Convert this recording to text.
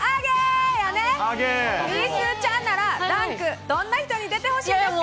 みーすーちゃんなら、ダンク、どんな人に出てほしいですか？